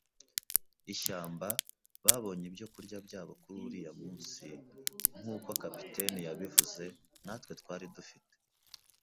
ishyamba. "Babonye ibyokurya byabo kuri uriya munsi," nkuko capitaine yabivuze, natwe twari dufite